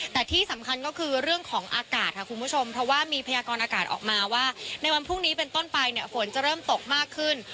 แต่ที่สำคัญก็คือเรื่องของอากาศค่ะคุณผู้ชมเพราะว่ามีพยากรอากาศออกมาว่าในวันพรุ่งนี้เป็นต้นไปเนี่ยฝนจะเริ่มตกมากขึ้น